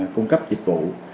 cung cấp dịch vụ